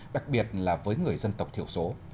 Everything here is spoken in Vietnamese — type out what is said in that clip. đặc biệt là với người dân tộc thiểu số